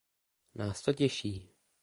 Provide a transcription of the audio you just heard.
Nás to těší.